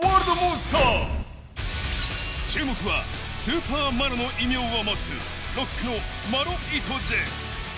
注目はスーパーマロの異名を持つロックのマロ・イトジェ。